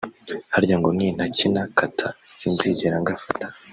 Harya ngo nintakina kata sinzigera ngafata